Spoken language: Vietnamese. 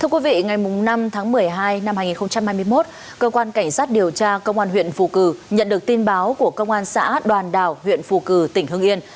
thưa quý vị ngày năm tháng một mươi hai năm hai nghìn hai mươi một cơ quan cảnh sát điều tra công an huyện phù cử nhận được tin báo của công an xã đoàn đảo huyện phù cử tỉnh hưng yên